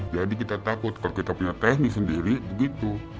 jadi kita takut kalau kita punya teknik sendiri begitu